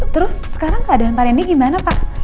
terus sekarang keadaan pak randy gimana pak